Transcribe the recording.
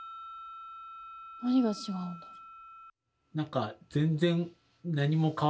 何が違うんだろう。